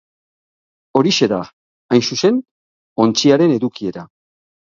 Horixe da, hain zuzen, ontziaren edukiera.